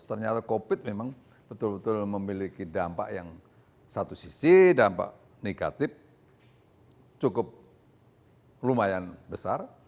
ternyata covid memang betul betul memiliki dampak yang satu sisi dampak negatif cukup lumayan besar